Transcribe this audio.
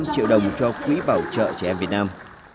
năm trăm linh triệu đồng cho quỹ bảo trợ trẻ em việt nam